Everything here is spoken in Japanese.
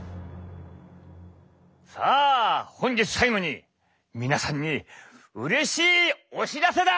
さあ本日最後に皆さんにうれしいお知らせだ！